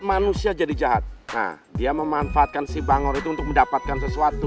manusia jadi jahat nah dia memanfaatkan si bangor itu untuk mendapatkan sesuatu